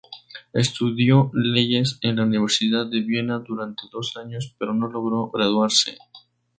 Estudió leyes en la Universidad de Viena durante dos años pero no logró graduarse.